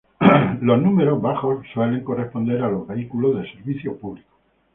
Los números bajos suelen corresponder a los vehículos de servicio público.